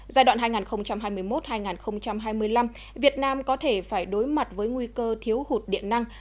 giai đoạn hai nghìn hai mươi một hai nghìn hai mươi năm việt nam có thể phải đối mặt với nguy cơ thiếu hụt điện năng